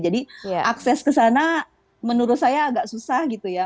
jadi akses kesana menurut saya agak susah gitu ya